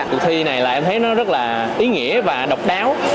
cuộc thi này là em thấy nó rất là ý nghĩa và độc đáo